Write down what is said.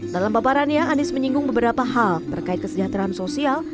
dalam paparannya anies menyinggung beberapa hal terkait kesejahteraan sosial